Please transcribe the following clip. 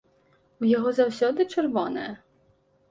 У яго заўсёды чырвоная.